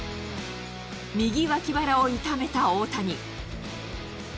右脇腹を痛めた大谷。